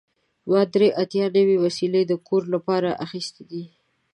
ما درې اتیا نوې وسیلې د کور لپاره اخیستې دي.